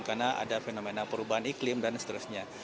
karena ada fenomena perubahan iklim dan seterusnya